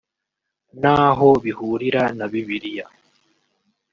naho bihurira na Bibiliya